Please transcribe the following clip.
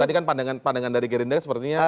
tadi kan pandangan dari gerindra sepertinya